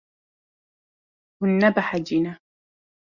Hûn nebehecî ne.